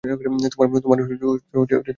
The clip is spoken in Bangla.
তোমার লজ্জাশরম করে না?